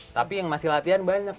tapi yang masih latihan banyak